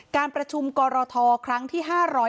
การประชุมกรทครั้งที่๕๐